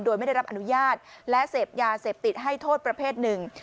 โดยไม่ได้รับอนุญาตและเสพยาเสพติดให้โทษประเภทหนึ่ง